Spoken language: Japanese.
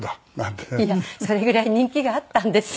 それぐらい人気があったんです。